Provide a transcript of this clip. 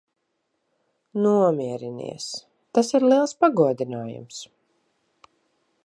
Nomierinies. Tas ir liels pagodinājums.